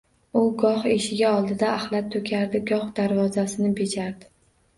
U goh eshigi oldiga axlat toʻkardi, goh darvozani bejardi